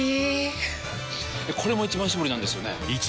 これも「一番搾り」なんですよね